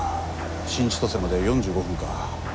新千歳までは４５分か。